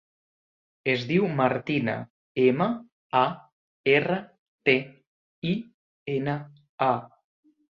Es diu Martina: ema, a, erra, te, i, ena, a.